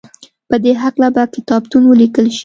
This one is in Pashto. په دې هکله به کتابونه وليکل شي.